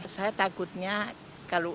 saya takutnya kalau bau